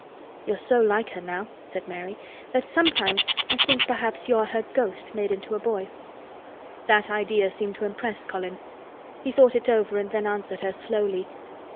"You are so like her now," said Mary, "that sometimes I think perhaps you are her ghost made into a boy." That idea seemed to impress Colin. He thought it over and then answered her slowly.